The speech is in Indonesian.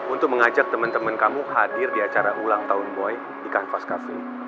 untuk mengajak teman teman kamu hadir di acara ulang tahun boy di kanvas cafe